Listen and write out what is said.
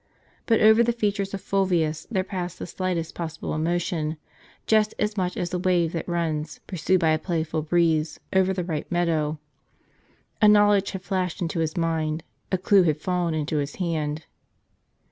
But over the features of Fulvius there passed the slightest possible emotion, just as much as the wave that runs, pursued by a playful breeze, over the ripe meadow. A knowledge had flashed into his mind, a clue had fallen into his hand.